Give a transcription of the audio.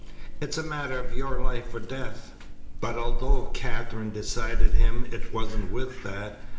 "It's a matter of your life or death." But although Katherine decided him it wasn't with that.